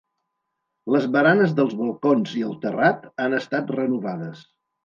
Les baranes dels balcons i el terrat han estat renovades.